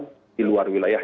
yang di luar wilayah